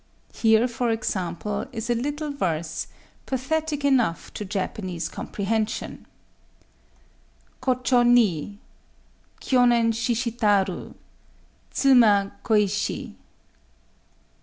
Here, for example, is a little verse, pathetic enough to Japanese comprehension:— Chōchō ni!.. Kyonen shishitaru Tsuma koishi!